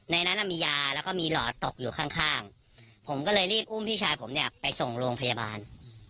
ในนั้นมียาแล้วก็มีหลอดตกอยู่ข้างข้างผมก็เลยรีบอุ้มพี่ชายผมเนี่ยไปส่งโรงพยาบาล